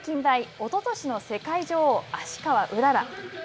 おととしの世界女王芦川うらら。